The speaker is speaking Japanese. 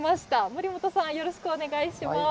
森本さん、よろしくお願いします。